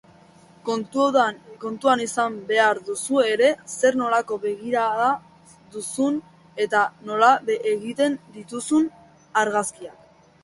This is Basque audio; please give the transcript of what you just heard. Kontuan izan behar duzu ere zer-nolako begirada duzun eta nola egiten dituzun argazkiak.